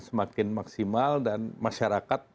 semakin maksimal dan masyarakat